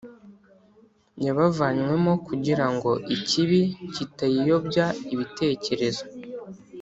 Yabavanywemo kugira ngo ikibi kitayiyobya ibitekerezo,